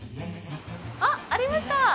あっ、ありました！